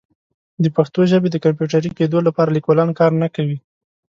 د پښتو ژبې د کمپیوټري کیدو لپاره لیکوالان کار نه کوي.